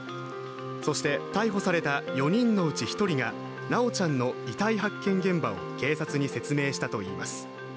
そして逮捕された４人のうち１人が修ちゃんの遺体発見現場を警察に説明したといいます。